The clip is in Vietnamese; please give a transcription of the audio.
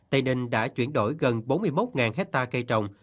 tây ninh đã chuyển đổi gần bốn mươi một hectare cây trồng